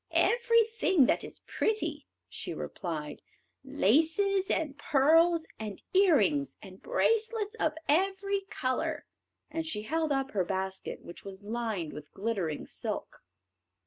"Everything that is pretty," she replied; "laces, and pearls, and earrings, and bracelets of every colour;" and she held up her basket, which was lined with glittering silk.